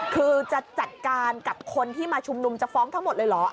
คือจะจัดการกับคนที่มาชุมนุมจะฟ้องทั้งหมดเลยเหรอ